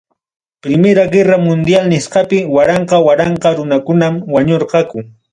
Primera Guerra Mundial nisqapi waranqa waranqa runakunam wañurqaku.